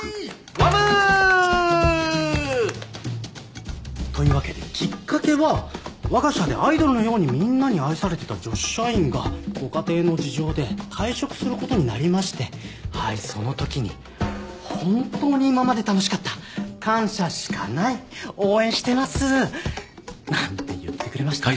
わぶー！というわけできっかけは我が社でアイドルのようにみんなに愛されてた女子社員がご家庭の事情で退職することになりましてはいそのときに「本当に今まで楽しかった」「感謝しかない応援してます」なんて言ってくれましてね